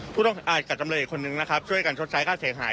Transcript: ผู้ต้องอาจกระจำเลยอีกคนนึงนะครับช่วยกันชดใช้ค่าเสียงหาย